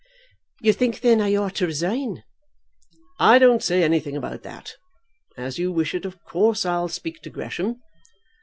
"You think, then, I ought to resign?" "I don't say anything about that. As you wish it, of course I'll speak to Gresham.